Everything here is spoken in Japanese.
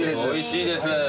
おいしいです。